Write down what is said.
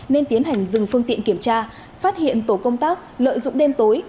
nên tiến hành dừng phương tiện kiểm tra phát hiện tổ công tác lợi dụng đêm tối